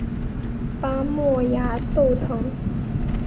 巴莫崖豆藤